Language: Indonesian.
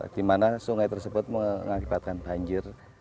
di mana sungai tersebut mengakibatkan banjir